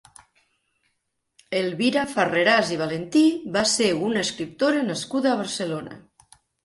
Elvira Farreras i Valentí va ser una escriptora nascuda a Barcelona.